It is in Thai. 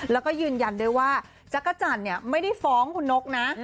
แล้วก็ยืนยันด้วยว่าจักรจันทร์ไม่ได้ฟ้องคุณนกนะ